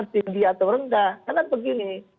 tinggi atau rendah karena begini